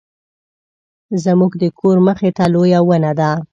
زموږ د کور مخې ته لویه ونه ده